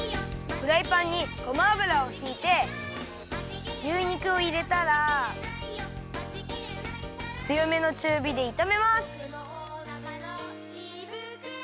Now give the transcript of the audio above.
フライパンにごま油をひいて牛肉をいれたらつよめのちゅうびでいためます。